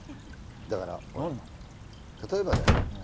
だから例えばだよ？